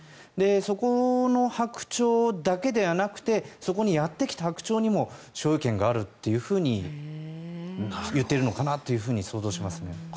そこのハクチョウだけじゃなくてそこにやってきた白鳥にも所有権があるといっているのかなと想像しますね。